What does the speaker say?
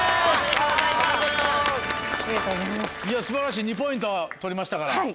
素晴らしい２ポイント取りましたから。